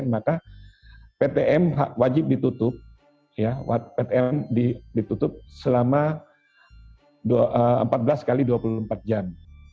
maka ptm wajib ditutup ptm ditutup selama empat belas x dua puluh empat jam